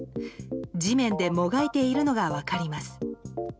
地面でもがいているのが分かります。